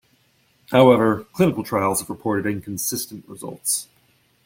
However, clinical trials have reported inconsistent results.